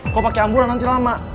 kok pakai ambulan nanti lama